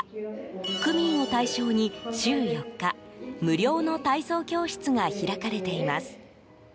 区民を対象に、週４日無料の体操教室が開かれています。